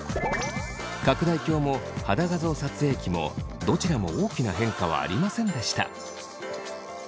拡大鏡も肌画像撮影機もどちらも大きな変化はありませんでした。